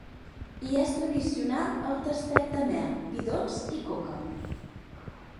Hi és tradicional el tastet de mel, vi dolç i coca.